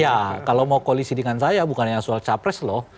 ya kalau mau koalisi dengan saya bukan hanya soal capres loh